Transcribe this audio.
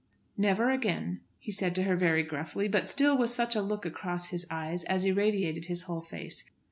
"Never again," he said to her very gruffly, but still with such a look across his eyes as irradiated his whole face.